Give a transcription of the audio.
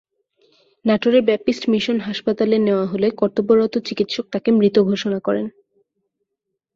নাটোরের Baptist mission হাসপাতালে নেওয়া হলে কর্তব্যরত চিকিৎসক তাঁকে মৃত ঘোষণা করেন।